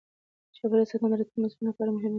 چاپیریال ساتنه د راتلونکې نسلونو لپاره مهمه ده.